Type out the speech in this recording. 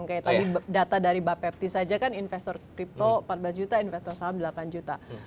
kayak tadi data dari bapepti saja kan investor crypto empat belas juta investor saham delapan juta